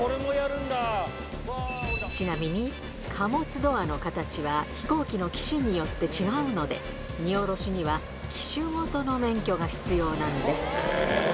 ちなみに貨物ドアの形は、飛行機の機種によって違うので、荷降ろしには、機種ごとの免許が必要なんですって。